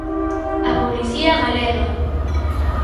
A policía galega.